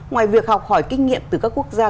ngoài việc học hỏi kinh nghiệm từ các quốc gia